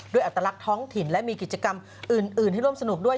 อัตลักษณ์ท้องถิ่นและมีกิจกรรมอื่นให้ร่วมสนุกด้วย